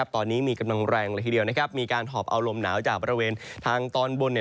ตอนนี้มีกำลังแรงเลยทีเดียวมีการหอบเอาลมหนาวจากบริเวณทางตอนบน